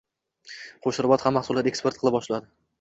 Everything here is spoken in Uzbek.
Qo‘shrabot ham mahsulot eksport qila boshladi